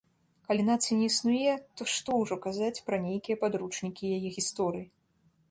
Калі нацыі не існуе, то што ўжо казаць пра нейкія падручнікі яе гісторыі?